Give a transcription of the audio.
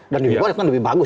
dan di fifa kan lebih bagus